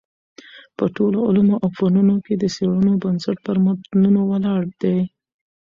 په ټولو علومو او فنونو کي د څېړنو بنسټ پر متونو ولاړ دﺉ.